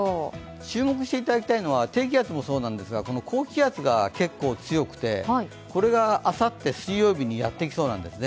注目していただきたいのは低気圧もなんですが高気圧も結構強くてこれがあさって水曜日にやってきそうなんですね。